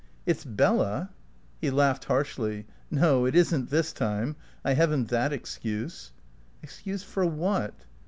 "It's Bella?" He laughed harshly. "No, it isn't this time. I haven't that excuse." "Excuse for what?"